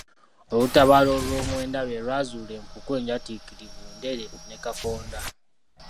Olutabaalo olw'omwenda lwe lwazuula empuku enjatiikirivu Ndere, ne Kakonda.